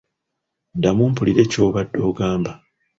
Ddamu mpulire ky'obadde ogamba.